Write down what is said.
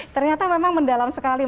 ternyata memang mendalam sekali